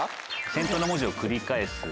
先頭の文字を繰り返すと。